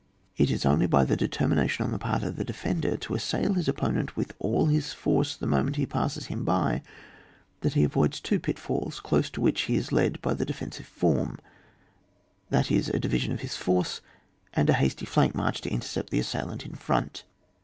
It is only by the determination on the part of the defender to assail his oppo nent with all his force, the moment he passes by him, that he avoids two pitfalls, close to which he is led by the defensive form ; that is a division of his force, and a hasty flank march to intercept the assailant in front.